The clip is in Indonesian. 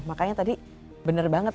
makanya tadi benar banget